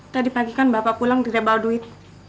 tadi pagi kan bapak pulang direbel duit